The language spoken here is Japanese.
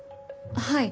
はい。